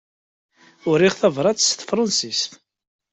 Uriɣ tabrat s tefransist.